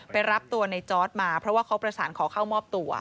รับตัวในจอร์ดมาเพราะว่าเขาประสานขอเข้ามอบตัว